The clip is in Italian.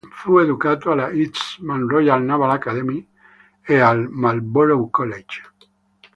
Fu educato alla Eastman's Royal Naval Academy e al Marlborough College.